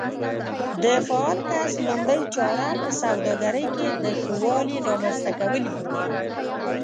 د فعال کس لومړۍ چاره په سوداګرۍ کې د ښه والي رامنځته کول وي.